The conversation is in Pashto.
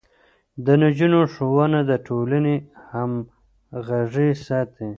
د نجونو ښوونه د ټولنې همغږي ساتي.